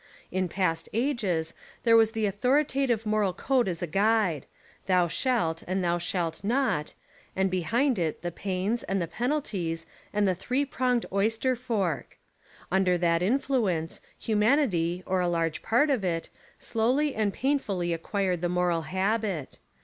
In past ages there was the authoritative moral code as a guide — thou shalt and thou shalt not — and behind it the pains, and the penalties, and the three pronged oyster fork. Under that influence, humanity, or a large part of it, slow ly and painfully acquired the moral habit.